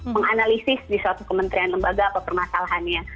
menganalisis di suatu kementerian lembaga apa permasalahannya